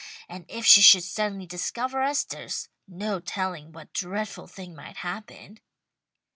And if she should suddenly discover us there's no telling what dreadful thing might happen."